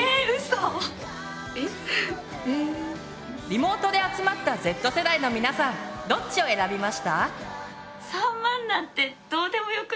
リモートで集まったＺ世代の皆さんどっちを選びました？